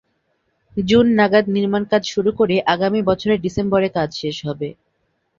June নাগাদ নির্মাণকাজ শুরু করে আগামী বছরের ডিসেম্বরে কাজ শেষ হবে।